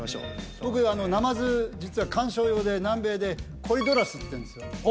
僕ナマズ実は観賞用で南米でコリドラスっていうんですよ